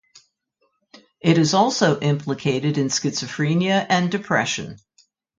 It is also implicated in schizophrenia and depression.